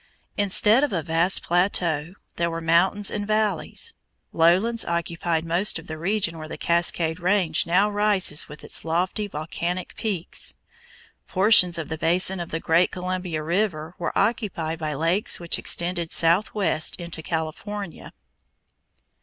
Instead of a vast plateau there were mountains and valleys. Lowlands occupied most of the region where the Cascade Range now rises with its lofty volcanic peaks. Portions of the basin of the present Columbia River were occupied by lakes which extended southwest into California.